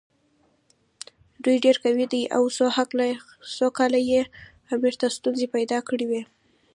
دوی ډېر قوي دي او څو کاله یې امیر ته ستونزې پیدا کړې وې.